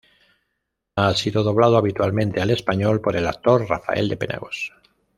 Ha sido doblado habitualmente al español por el actor Rafael de Penagos.